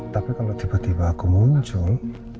tapi kalau tiba tiba aku muncul